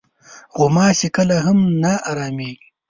غوماشې کله هم نه ارامېږي.